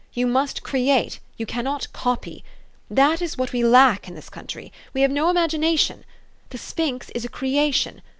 You must create: you cannot copy. That is what we lack in this country. We have no imagination. The sphinx is a creation.